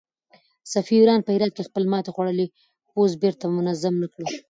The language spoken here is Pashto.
صفوي ایران په هرات کې خپل ماتې خوړلی پوځ بېرته منظم نه کړ.